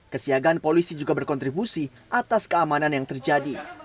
kesiagaan polisi juga berkontribusi atas keamanan yang terjadi